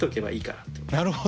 なるほど。